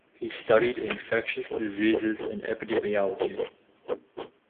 He studied infectious diseases and epidemiology.